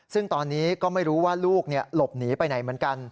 ซึ่งตอบนี้ก็ไม่รู้ว่าลูกลบหนีล่ะ